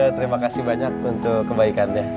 terima kasih banyak untuk kebaikannya